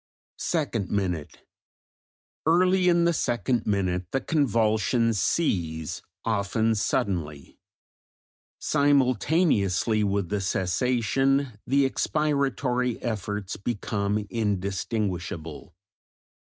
Second minute. Early in the second minute the convulsions cease, often suddenly; simultaneously with the cessation the expiratory efforts become indistinguishable.